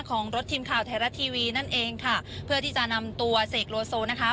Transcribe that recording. ของรถทีมข่าวไทยรัฐทีวีนั่นเองค่ะเพื่อที่จะนำตัวเสกโลโซนะคะ